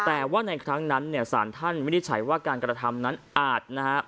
แต่ว่าในครั้งนั้นเนี่ยสารท่านวินิจฉัยว่าการกระทำนั้นอาจนะฮะ